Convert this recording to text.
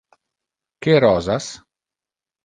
Que rosas?